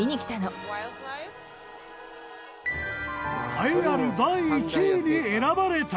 栄えある第１位に選ばれたのは。